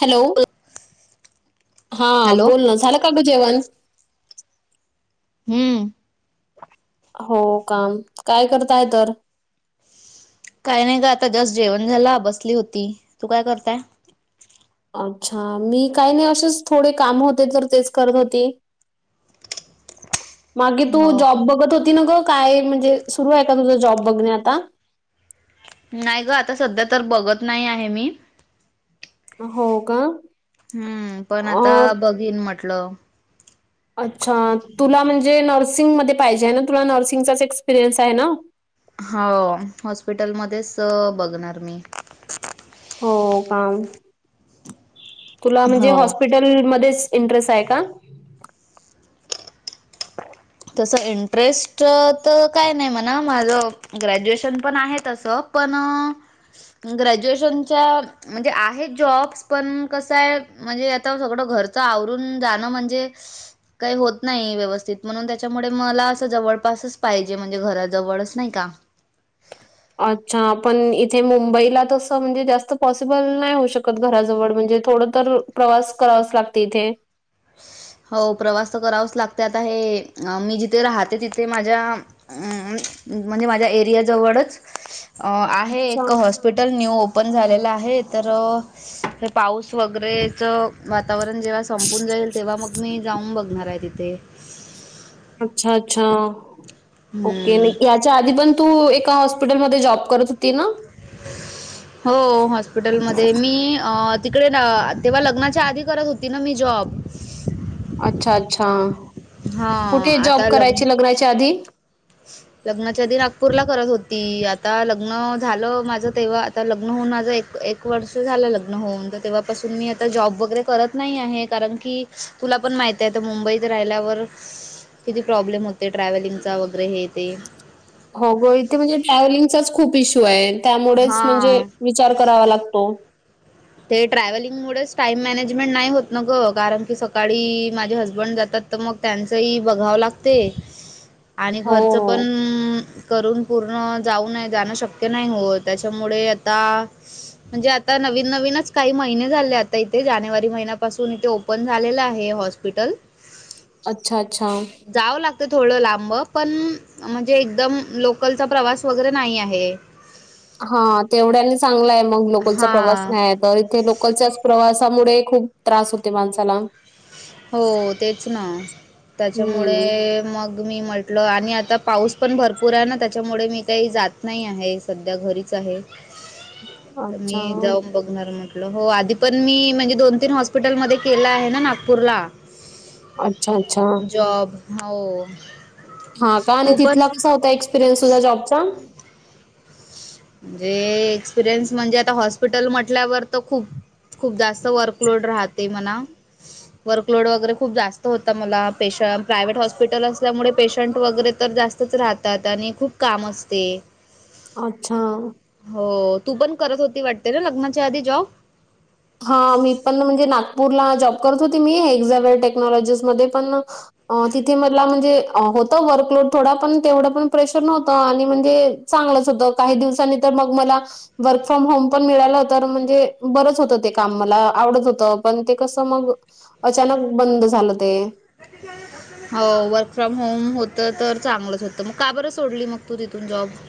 Hello हा hello बोल ना झालं का गु जेवान हम्म. हो काम काय करताय तर काय नाही का आता जस्ट जेवण झालं बसली होती तू काय करताय? अच्छा मी काही नाही असेच थोडे काम होते तर तेच करत होती. मागे तू हो का जॉब बघत होती न ग. काय म्हणजे सुरु आहे का तुझ जॉब बघणे आता नाही ग आता सध्या तर बघत नाही आहे मी हो का? हम्म पण आता अं, बघीन म्हटलं. अच्छा तुला म्हणजे नर्सिंगमध्येध्ये पाहिजे आहे ना तुला नर्सिंगचाच एक्सपिरियन्स आहे ना. हो हॉस्पिटलमध्येध्येच बघणार मी हो काम तुला म्हणजे हो हॉस्पिट टेल मध्येच इंटरेस्ट आहे का? तसं इंटरेस्ट तर काय नाही म्हणा माझं. ग्रॅज्युएशन पण आहे तसं पण ग्रॅज्युएशनच्या म्हणजे आहेत जॉब्स पण कसं आहे. म्हणजे आता सगळं घरचं आवरून जाणं म्हणजे काही होत नाही व्यवस्थित म्हणून त्याच्यामुळे मला असं जवळपासच पाहिजे म्हणजे घरात जवळच नाही का? अच्छा पण इथे मुंबईला तसं म्हणजे जास्त पॉसिबल नाही होऊ शकत घराजवळ म्हणजे थोडं तर प्रवास करावाच लागते इथे हो प्रवास तर करावाच लागते आता हे मी जिथे राहते तिथे माझ्या अ म्हणजे माझ्या एरियाजवळच अ आहे अच्छा. एक हॉस्ट हॉस्पिटल न्यू ओपन झालेलं आहे तर हे पाऊस वगैरेच वातावरण जेव्हा संपून जाईल तेव्हा मग मी जाऊन बघणार आहे तिथे. अच्छा अच्छा ओके. हम्म. त्या आधी पण तू एका हॉस्पिटलमध्ये जॉब करत होती ना. हो हॉस्पिटलमध्ये मी अ ''--'' तिकडे ना तेव्हा लग्नाच्या आधी करत होती ना मी जॉब. अच्छा अच्छा हां कुठे जॉब आता लग्न करायची लग्नाची आधी. लग्नाच्या आदि नागपूरला करत होती आता लग्न झालं माझ तेव्हा. आता लग्न होऊन माझं एक एक वर्ष झालं लग्न होऊन तर तेव्हापासून मी आता जॉब वगैरे करत. नाही आहे कारण की तुला पण माहित आहे तर मुंबईत राहिल्यावर. किती प्रॉब्लेम होते ट्रॅव्हलिंग चा वगैरे हे तेे. हो ग इथे म्हणजे ट्रॅव्हलिंगचाच खूप इश्यू आहे त्यामुळेच म्हणजे. हा. विचार करावा लागतो. ते ट्रॅव्हलिंग मुळेच टाईम मॅनेजमेंट नाही होत न ग कारण की सकाळी माझे हसबंड जातात. तर मग त्यांचंही बघावं लागते. [inaudible] आणि घरचं पण हो करून पूर्ण जाऊ नये जाणं शक्य नाही हो त्याच्यामुळे आता. म्हणजे आता नवी. नवीनच काही महिने झाले आता इथे जानेवारी महिन्यापासून इथे ओपन झालेला आहे हॉस्पिटल. अच्छा अच्छा. जावं लागते थोडं लांब पण म्हणजे एकदम लोकलचा प्रवास वगैरे नाही आहे. हा तेवढ्यानी चांगला आहे मग लोकलचा प्रवास हां नाही. तर इथे लोकलच्याच प्रवासामुळे खूप त्रास होते माणसाला. हो तेच ना त्याच्यामुळे हं. मग. मी म्हटलं आणि आता पाऊस पण भरपूर आहे ना त्याच्यामुळे मी काही जात नाही आहे सध्या घरीच आहे. अच्छा. तुमही जाऊ. बघणार म्हटलं हो आधी पण मी म्हणजे दोन तीन हॉस्पिटल मध्ये केलं आहे ना नागपूरला. अच्छा, अच्छा. जॉब हो. हा का आणि तू पण तिथला कसा होता एक्सपिरियन्स सुद्धा जॉबचा. म्हणजे एक्सपिरियन्स म्हणजे आता हॉस्पिटल म्हटल्यावर तर खूप. खूप जास्त वर्कलोड राहते म्हणा. वर्कलोड वगैरे खूप जास्त होता मला पेशं प्रायव्हेट हॉस्पिटल असल्यामुळे पेशंट वगैरे तर जास्त. तंच राहतात आणि खूप काम असते. अच्छा. हो तू पण करत होती वाटते ना लग्नाच्या आधी जॉब. हा मी पण म्हणजे नागपूरला जॉब करत होते मी एझावेर टेक्नॉलॉजीज मध्ये पण अ तिथे मला म्हणजे होतं वर्कलोड थोडा पण तेवढं पण प्रेशर नव्हतं आणि म्हणजे. चांगलंच होत काही दिवसांनी तर मग मला वर्क फ्रॉम होम पण मिळाला तर म्हणजे बरंच होत. ते काम मला आवडत होत पण ते कस मग अचानक बंद झालं ते. [inaudible] हो वर्क फ्रॉम होम होतं तर चांगलंच होतं मग का बरं सोडली मग तू तिथून जॉब.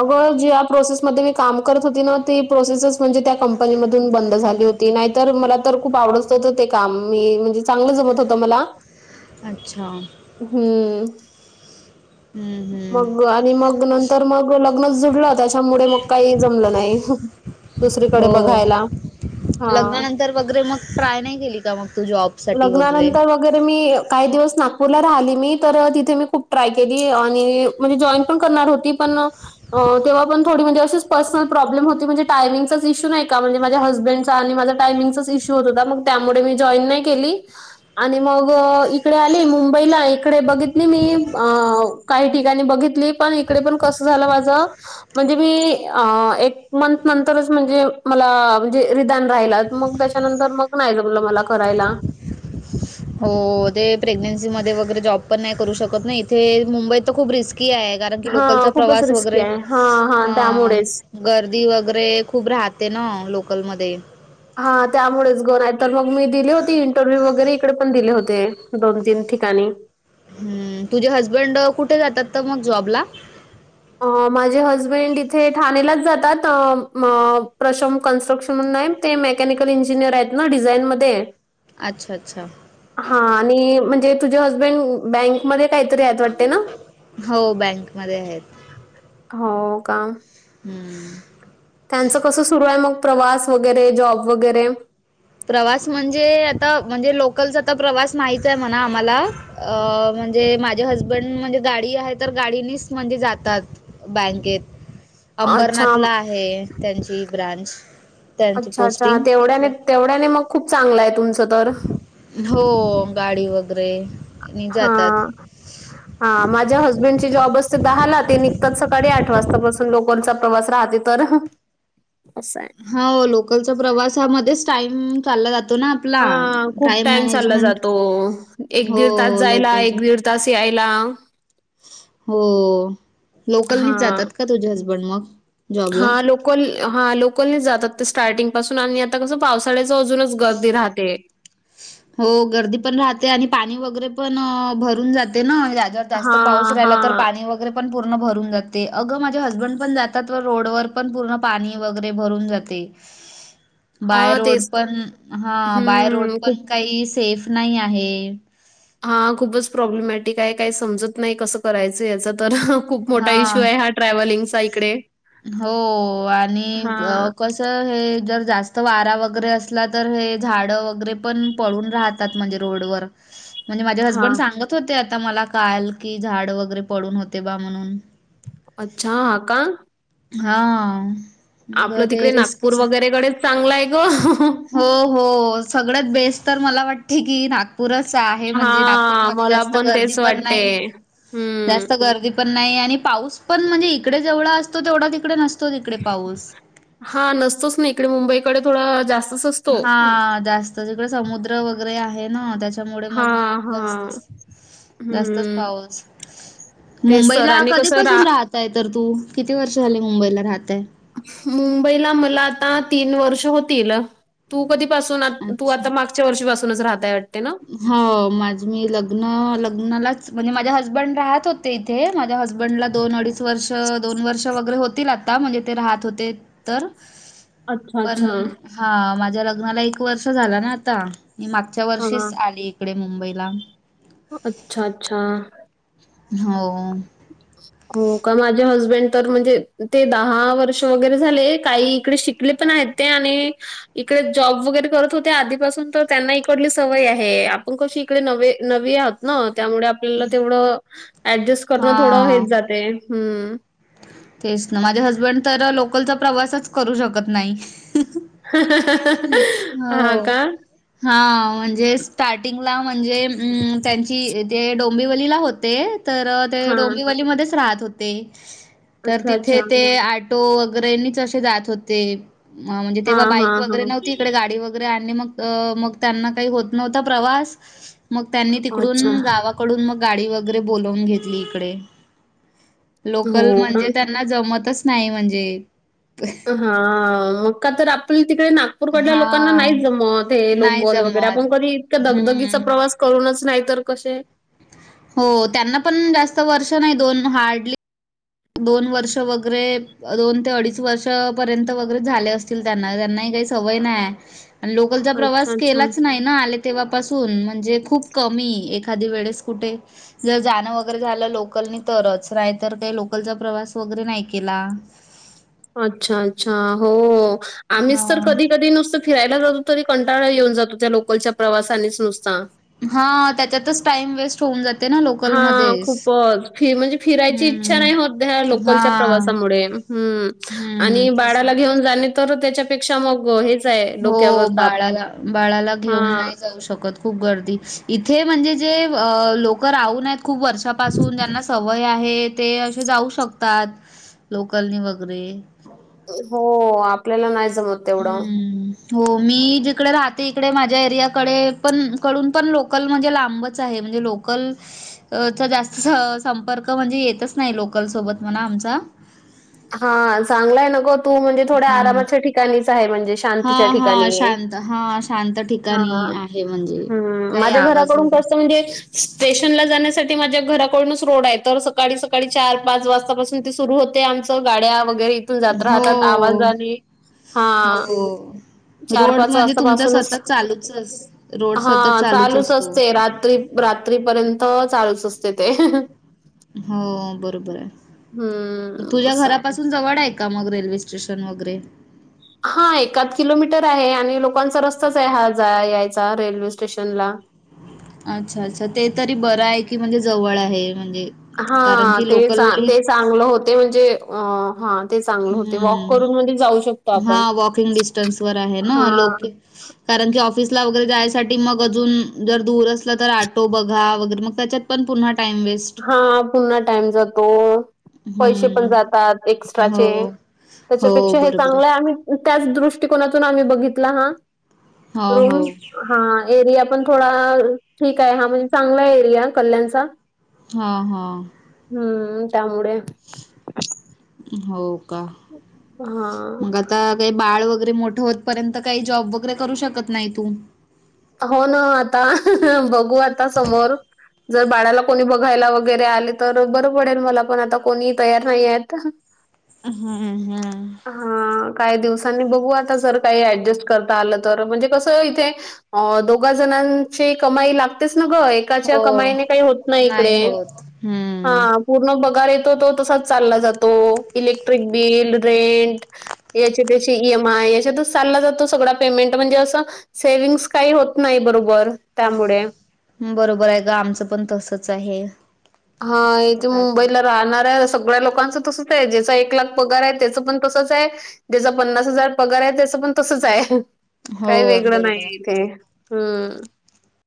अगं ज्या प्रोसेसमध्ये मी काम करत होती ना ती प्रोसेसच म्हणजे त्या कंपनी मधून बंद झाली होती. ती नाहीतर मला तर खूप आवडत होत ते काम मी म्हणजे चांगलं जमत होत मला. अच्छा. हम्म. हम्म मग हम्म आणि मग नंतर मग लग्नच जुडलं त्याच्यामुळे मग काही जमलं नाही. दुसरीकडे हो बघायला हा. लग्नानंतर वगैरे मग ट्राय नाही केली का मग तू जॉब. साठी वगैरे लग्नानंतर मग. अगर मी काही दिवस नागपूरला राहिली मी तर तिथे मी खूप ट्राय केली आणि. म्हणजे जॉईन पण करणार होती पण अ तेव्हा पण थोडी म्हणे अशीच पर्सनल प्रॉब्म होती म्हणे टायमिंगचाच इशू नाही का म्हणजे माझ्या हसबंड. त आणि मा टायमिंगचाच ईशु होत होता त्यामुळे मी जॉन नाही केली. आणि मग इकडे आले मुंबईला इकडे बघितली मी अ. काही ठिकाणी बघितली पण इकडे पण कसं झालं माझं. म्हणजे मी अ एक मंत नंतरचं म्हणजे माला रिदाण राहिलं त मग त्याच्या. त्यानंतर मग नाही जमलं मला करायला. [inaudible] हो ते प्रेग्नेन्सी मध्ये वगैरे जॉब पण नाही करू शकत ना नाही इथे मुंबईत तर खूप रिस्की आहे. कारण की हा लोकलचा खूपच प्रवास रिस्की वगैरे आहे हा. त्यामुळेच. गर्दी वगैरे खूप राहते ना लोकलमध्ये. हा त्यामुळेच ग नाहीतर मग मी दिले होती इंटरव्ह्यू वगैरे इकडे पण दिले होते दोन तीन ठिकाणी. हम्म तुझे हसबंड कुठे जातात त मग जॉबला. माझे हजबेंड इथे ठाणेलाच जातात त अ म प्रशम कन्स्ट्रक्शन म्हण हाय. ते मेकॅनिकल इंजिनियर आहेत ना डिझाईन मध्ये. अच्छा अच्छा. हा आणि म्हणजे तुझे हजबंड बँकमध्ये. काहीतरी आहेत वाटते ना? हो बँक मध्ये आहेत. हो का. हम्म. त्यांचं कसं सुरू आहे मग प्रवास वगैरे जॉब वगैरे. प्रवास म्हणजे आता म्हणजे लोकलचा आता प्रवास माहीत आहे म्हणा आम्हाला. अ म्हणजे माझे हसबंड म्हणजे गाडी आहे तर गाडीनेच म्हणजे जातात. बँकेत. अच्छा अंबरनाथला आहे त्यांची ब्रांच त्यांची अच्छा अच्छा पोस्टिंग तेवढ्याने तिथे. तेवढ्याने मग खूप चांगलं आहे तुमचं तर. हो गाडी वगैरे. नी हा, जातात. हा माझ्या हसबेंड ची जॉब असतं दहाला ते निघतात सकाळी आठ वाजतापासून लोकांचा प्रवास राहते. तर ह असं आहे. हा लोकलचा प्रवासामध्येच टाइम चालला जातो ना. आपला. हा खूप टाइम चालला जातो एक हो दीड तास जायला लोकलचा. एक दीड. तास आयला. हो लोकलनीच जातात का तुझे हसबंड मग. हा जॉबला? लोकल हा लोकलने जातात ते स्टार्टिंग पासून आणि आ ''--'' आता कसं पावसाळ्याच अजूनच गर्दी राहते. हो गर्दी पण राहते आणि पाणी वगैरे पण भरून जाते यात. जर जास्त पाऊस हां, राहिला तर हां. पाणी वगैरे. पण पूर्ण भरून जाते अगं माझे हसबंड पण जातात व रोड वर पण पूर्ण पाणी वगैरे भरून जाते. [inaudible] बाय रोड तेच तर. पण हा बाय रोड हं, पण खूप काही सेफ नाही आहे. हा खूपच प्रॉब्लेमॅटिक आहे, काही समजत नाही कसं करायचं याचा तर, हः खूप मोठा हा इश्यू आहॆ. हार्ट ट्रॅव्हलिंगचा इकडे. हो आणि हां, कस. हे जर जास्त वारा वगैरे असला तर हे झाड वगैरे पण पळून राहत. ात म्हणजे रोडवर. [unintelligible] म्हणजे माझे हसबंड हां. सांगत होते आता मला काल की झाड वगैरे पडून होते बा म्हणून. अच्छा हा का. हा. मग आपलं ते तिकडे नागपूर रिस्कीच वगैरेकडेच चांगलं आहे ग हो हो सगळ्यात बेस्ट तर मला वाटते की ना. नागपूरच आहे म्हणजे हां. नागपूरमध्ये मला जास्त पण गर्दी तेच पण वाटते. नाही हं. जास्त गर्दी. पण नाही आणि पाऊस पण म्हणजे इकडे जेवढा असतो तेवढा तिकडे नसतो तिकडे पाऊस. हा नसतोच ना इकडे मुंबईकडे थोडं जास्त. हा जास्त जिकडे समुद्र वगैरे आहे ना त्या. त्यामुळे मग हां. जात हां. जास्तच हं. पाऊस. तेच तर मुंबईला आणि कसं रा कधीपासून राहतय तर तू किती वर्ष झाले मुंबईला राहतय. मुंबईला मला आता तीन वर्ष होतील. तू कधीपसून तू अच्छा आता मागच्या वर्षीपासूनच राहताय वाटते ना. हो माझ मी लग्न लग्नालाच म्हणजे माझ्या हसबंड राहत होते. ते माझ्या हसबंड ला दोन अडीच. पाच वर्ष दोन वर्ष वगैरे होतील आता म्हणजे ते राहत होते तर. अच्छा, पण अच्छा. हा माझ्या लग्नाला एक वर्ष झाला ना आता मी मागच्या वर्षी. हां. ली इकडे मुंबईला. अच्छा अच्छा. हो. [inaudible] हो का माझे हजबंड तर म्हणजे ते दहा वर्ष वगैरे झाले काही इकडे शिकले पण आहेत. ते आणि. इकडे जॉब वगैरे करत होते आधीपासून तर त्यांना इकडली सवय आहे आपण कशी इकडे न नवी आह. न त्यामुळे आपल्याला तेवढं ऍडजस्ट करणं थोडं हां, हेच जाते हम्म. तेच ना माझे हसबंड तर लोकलचा प्रवासच करू शकत नाही. [unintelligible] हां हो का? हा म्हणजेच. स्टार्टिंगला म्हणजे त्यांची जे डोंबिवलीला होते. तर ते हां. डोंबिवलीमध्येध्येच राहत होते तर अच्छा, अच्छा. तिथे ते आठ. टो वगैरेच असे जात होते म्हणजे तेव्हा हां, बाईक. हां, वगैरे हां. नव्हती इकडे गाडी वगैरे आणि मग मग त्यांना काही होत नव्हता प्रवास. मग त्यांनी अच्छा. तिकडून गावा. डून मग गाडी वगरे बून घेतली इडे लोक हो का? म्हणज. त्यांना जमतच नाही म्हणजे. हा मग का तर आपली तिकडे ना. नागपूरकडल्या लोकांना हां. नाही जमत हे नाही हं. लोकन वगैरे जमत. आपण कधी इतका दगदगीचा हम्म. प्रवास कळूनच नाही तर कसे हो त्यांना पण जास्त वर्ष नाही दोन हार्डली दोन वर्ष वगैरे दोन ते अडीच वर्ष पर्यंत वगैरे झाले असतील त्यांना त्यांनाही काही सवय नाही लोकलचा अच्छा, प्रवास अच्छा. केलाच नाही ना? तेव्हापासून म्हणजे खूप कमी एखादी वेळेस कुठे जर जाणं वगैरे झालं लोकलनी तरच नाही तर ते लोक लोकलचा प्रवास वगैरे नाही केला. अच्छा अच्छा हो आम्हीच तर हां. कधी कधी नुसत. फिरायला जातो तरी कंटाळा येऊन जातो त्या लोकलच्या प्रवासानेच नुसता. हा त्याच्यातच टाइम वेस्ट होऊन जाते. ना हा लोकलमध्येच. खूपच फि म्हणजे फिरायची इच्छा हं. नाही होत लोकलच्या हां. प्रवासामुळे हम्म हं. आणि तेच ना. बाळाला घेऊन जाणे तर त्याच्यापेक्षा मग हेच आहे हो डोक्यावर ताप. बाळाला बाळाला घेऊन हां. नाही जाऊ शकत. खूप गर्दी इथे म्हणजे जे लोक राहू नयेत. खूप वर्षापासून ज्यांना सवय आहेत. ते अशे जाऊ शकतात लोकलने वगैरे. हो आपल्याला नाही जमत. तेवढं. हम्म. हो मी जिकडे राहते इकडे माझ्या एरियाकडे पण कडून पण लोकल म्हणजे लांबच आहे म्हणजे लोक लोकलचा जास्त संपर्क म्हणजे येतच नाही लोकल सोबत म्हणा आमचा. हा चांगलाय न गो तू म्हणजे थोड्या हां. आरामाच्या ठिकाणीच आहे म्हणजे. शांतीच्या हां, हां. ठिकाणी शांत हां, शांत हा ठिकाणी आहे म्हणजे हम्म काही माझ्या आवाज घराकडून वगैरे कस त म्हणजे. स्टेशनला जाण्यासाठी माझ्या घराकडूनच रोड आहे तर सकाळी सकाळी चार पाच वाजतापासून ते सुरू होते आमच तर गाड्या वगैरे इथून जात राहतात हो, आवाजने हा हो. चार रोड पाच म्हणजे तुमचा वाजतापासूनच सतत चालूच अस रोड हा सतत चालूच असतो. असते रात्री रात्रीपर्यंत चालूच असतय ते. हो बरोबर आहे हं, तुझ्या असं आहे. घरापासून जवळ हाय का मग रेल्वे स्टेशन वगैरे. हा एकाद किलोमीटर आहे आणि लोकांचा रस्ताच आहे हा जा यायचा रेल्वे स्टेशनला. अच्छा अच्छा ते तरी बरं आहे की म्हणजे जवळ आहे म्हणजे हा कारण की ते च लोकली ते चांगलं होते म्हणजे अ हा. ते चांगलं होते वॉक करून म्हणजे जाऊ शकतो हम्म हा आपण. वॉकिंग डिस्टन्स वर आहे ना हा लोके कारण की ऑफिसला वगैरे जायसाठी मग अजून जर दूर असलं तर आटो बघा वगैरे मग त्याच्यात पण पुन्हा टाईम वेस्ट. पुन्हा टाइम जातो. पैशे पण हम्म. जातात एक्स्ट्राचे हो. हो त्याच्यापेक्षा हे बरोबर चांगलं आहे आम्ही त्याच दृष्टिकोनातून आम्ही बघितला हा हो हो रूम हा एरिया पण थोडा ठीक आहे हा म्हणजे चांगला एरिया कल्याणचा. हा हा. हम्म त्यामुळे. हो का हा मग आता. आता काही बाळ वगैरे मोठ होत पर्यंत काही जॉब वगैरे करू शकत नाही तू. हो ना आता बघू आता समोर. जर बाळाला कोणी बघायला वगैरे आले तर बरं पडेल मला पण आता कोणी तयार नाही आहेत. हम् हम. हा काही दिवसांनी बघू आता जर काही ऍडजस्ट करता आलं तर म्हणजे कसं इथे अ दोघा जणांची कमाई लागतेच न गं एक एकाच्या हो कमाई काही होत नाही इकडे होत हम्म. हा. पूर्ण पगार येतो तो तसाच चालला जातो इलेक्ट्रिक बिल रेंट याच्या त्याशी ई एम आय याच्यात चालला जातो सगळा पेमेंट म्हणजे असं सेव्हंग्स काही होत नाही बरोबर त्यामुळे. बरोबर आहे ग आमचं पण तसच आहे. हा आता इथे काय कर मुंबईला राहणाऱ्या सगळ्या लोकांना तसच आहे ज्याचा एक लाख पगार आहे त्याचं पण तसच आहे ज्याचा पन्नास हजार पगार आहे त्याच पण तसच आहे हो काही वेगळं बरोबर नाही आहे. इथे. हम.